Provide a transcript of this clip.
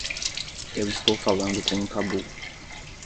Eu estou falando com um tabu.